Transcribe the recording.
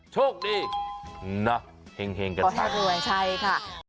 โชคดีนะเห็งกันทั้งค่ะขอให้รวยใช่ค่ะ